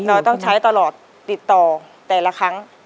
เราต้องใช้ตลอดติดต่อแต่ละครั้ง